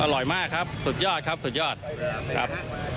อร่อยมากครับสุดยอดครับสุดยอดครับ